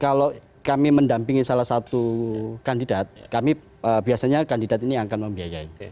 kalau kami mendampingi salah satu kandidat kami biasanya kandidat ini akan membiayai